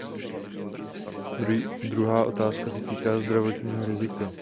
Druhá otázka se týká zdravotního rizika.